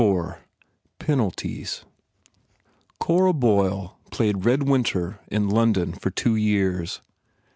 77 IV Penalties CORA BOYLE played "Red Winter" in London for two years.